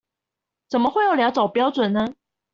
怎麼會有兩種標準呢？